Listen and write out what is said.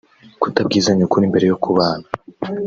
Kutabwizanya ukuri mbere yo kubana